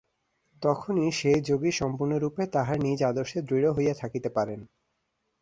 তখনই সেই যোগী সম্পূর্ণরূপে তাঁহার নিজ আদর্শে দৃঢ় হইয়া থাকিতে পারেন।